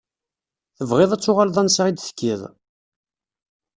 Tebɣiḍ ad tuɣaleḍ ansa i d-tekkiḍ?